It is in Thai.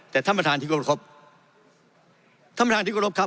แต่ท่านประธานนึกย้อนครบท่านประธานนึกย้อนครบ